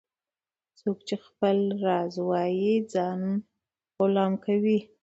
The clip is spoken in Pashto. - څوک چي خپل راز وایې ځان غلام کوي.